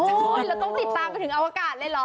คุณเราต้องติดตามไปถึงอวกาศเลยเหรอ